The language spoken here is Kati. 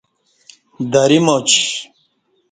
دری ماچ